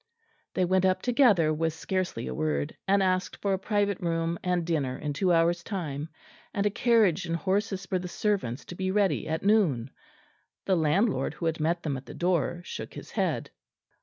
They went up together with scarcely a word; and asked for a private room and dinner in two hours' time; and a carriage and horses for the servants to be ready at noon. The landlord, who had met them at the door, shook his head.